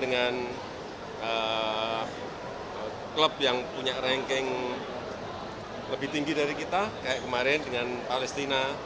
dengan klub yang punya ranking lebih tinggi dari kita kayak kemarin dengan palestina